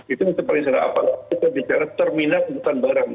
itu seperti secara apalagi kita bicara terminal hutan barang